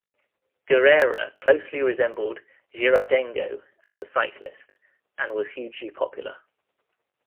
Guerra closely resembled Girardengo as a cyclist, and was hugely popular.